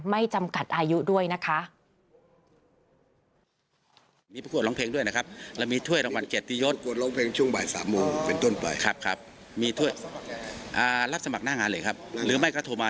จำกัดอายุด้วยนะคะ